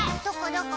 どこ？